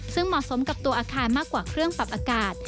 ซึ่งเหมาะสมกับตัวอาคารมากกว่าเครื่องปรับอากาศ